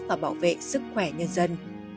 và bảo vệ sức khỏe nhân dân